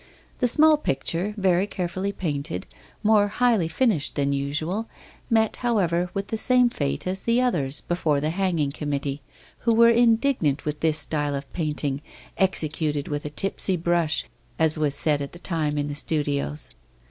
The small picture, very carefully painted, more highly finished than usual, met, however, with the same fate as the others before the hanging committee, who were indignant with this style of painting, executed with a tipsy brush, as was said at the time in the studios.